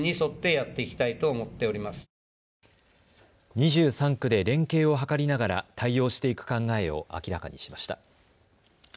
２３区で連携を図りながら対応していく考えを明らかにしました。